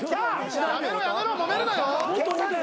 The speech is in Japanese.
やめろやめろもめるなよ。